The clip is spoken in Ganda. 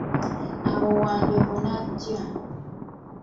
Awo Wanjovu najja.